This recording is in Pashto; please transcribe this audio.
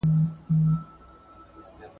ايا د تخنيک پرمختيا ټولنې ته ګټه لري؟